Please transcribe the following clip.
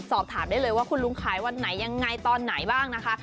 สอบถามได้เลยว่าคุณลุงขายวันไหนยังไงตอนไหนบ้างนะคะ